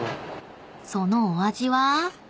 ［そのお味は？］